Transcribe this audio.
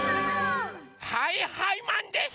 はいはいマンです！